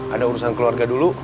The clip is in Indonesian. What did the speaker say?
ada urusan keluarga dulu